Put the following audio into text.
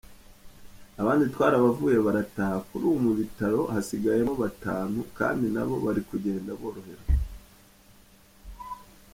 Abandi twarabavuye barataha, kuri ubu mu bitaro hasigayemo batanu kandi nabo bari kugenda boroherwa.